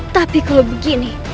tapi kalau begini